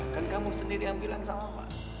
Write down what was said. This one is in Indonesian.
kan kamu sendiri yang bilang sama mas